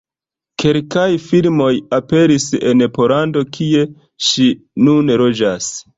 Kelkaj filmoj aperis en Pollando, kie ŝi nun loĝas.